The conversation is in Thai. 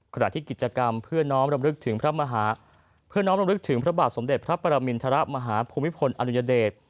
ขณะที่กิจกรรมเพื่อน้องรำลึกถึงพระบาทสมเด็จพระปรมิณฑระมหาภูมิพลอนุญเดช